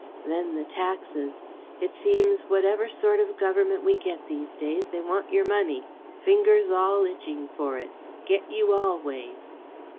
Then the taxes. It seems whatever sort of government we get these days they want your money fingers all itching for it. Get you all ways!